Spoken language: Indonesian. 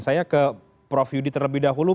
saya ke prof yudi terlebih dahulu